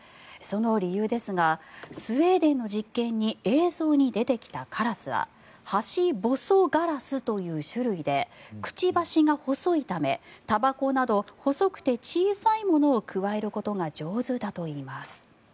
その理由ですがスウェーデンの実験に映像に出てきたカラスはハシボソガラスという種類でくちばしが細いためたばこなど細くて小さいものをくわえることが上手だといいます。